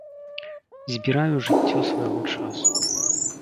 Збіраю жыццё свайго часу.